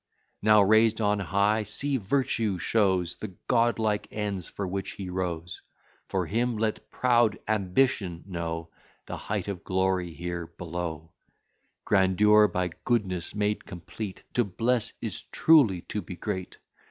Now raised on high, see Virtue shows The godlike ends for which he rose; For him, let proud Ambition know The height of glory here below, Grandeur, by goodness made complete! To bless, is truly to be great!